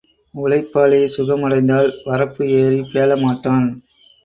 உழைப்பாளி சுகம் அடைந்தால் வரப்பு ஏறிப் பேளமாட்டான்.